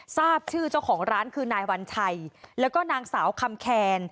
ทราบชื่อเจ้าของร้านคือนายวัญชัยแล้วก็นางสาวคำแคน